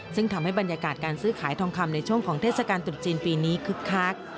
ซึ่งทำให้บรรยากาศการซื้อขายทองคำในช่วงของเทศกาลตรุษจีนปีนี้คึกคัก